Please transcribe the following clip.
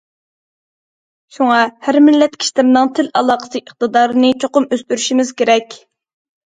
شۇڭا، ھەر مىللەت كىشىلىرىنىڭ تىل ئالاقىسى ئىقتىدارىنى چوقۇم ئۆستۈرۈشىمىز كېرەك.